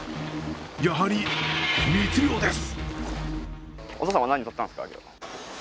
やはり密漁です。